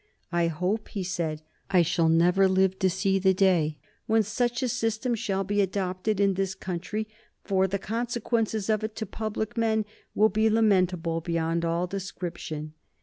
"I hope," he said, "I shall never live to see the day when such a system shall be adopted in this country, for the consequences of it to public men will be lamentable beyond all description.